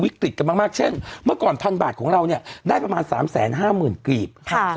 ติดกันมากเช่นเมื่อก่อนพันบาทของเราเนี่ยได้ประมาณ๓๕๐๐๐กรีบ